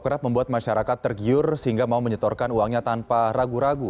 kerap membuat masyarakat tergiur sehingga mau menyetorkan uangnya tanpa ragu ragu